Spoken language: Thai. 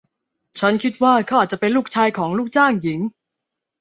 ฉันคิดว่าเขาอาจจะเป็นลูกชายของลูกจ้างหญิง